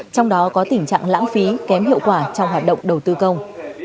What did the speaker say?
trong đó có tình trạng lãng phí kém hiệu quả trong hoạt động đầu tư công